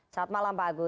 selamat malam pak agus